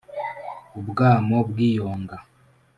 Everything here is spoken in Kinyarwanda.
ubwamo bw’iyonga